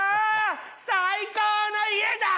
最高の家だ